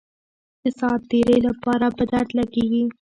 د ساعت تیرۍ لپاره په درد لګېږي.